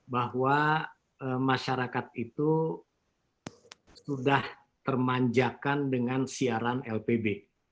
bahwa masyarakat itu sudah termanjakan dengan siaran lpb